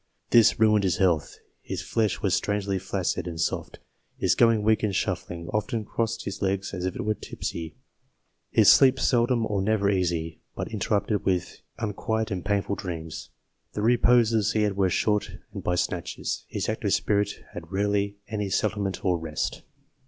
This ruined his health. " His flesh was strangely flaccid and soft ; his going weak and shuffling, often crossing his legs as if he were tipsy ; his sleep seldom or never easy, but interrupted with unquiet and painful dreams the reposes he had were short and by snatches ; his active spirit had rarely any settlement or rest."